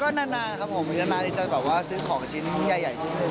ก็นานครับผมนานจะซื้อของชิ้นใหญ่ชิ้นหนึ่ง